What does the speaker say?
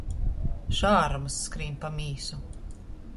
Šārmys skrīn pa mīsu.